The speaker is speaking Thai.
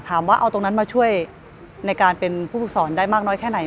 ถามว่าเอาตรงนั้นมาช่วยในการเป็นผู้ฝึกสอนได้มากน้อยแค่ไหน